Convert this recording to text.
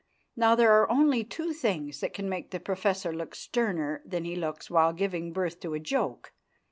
Now, there are only two things that can make the professor look sterner than he looks while giving birth to a joke.